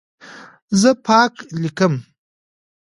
زه پاک لیکم.